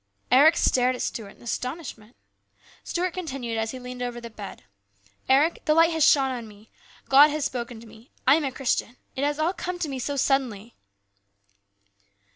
Eric stared at Stuart in astonishment. Stuart continued as he leaned over the bed :" Eric, the Light has shone upon me. God has spoken to me. I am a Christian. It has all come to me suddenly."